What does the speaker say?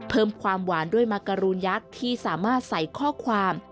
เพิ่มความหวานด้วยมักการูนยักษ์ที่สามารถใส่ข้อความ